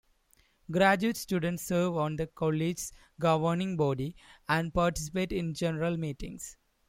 Graduate students serve on the college's governing body and participate in General Meetings.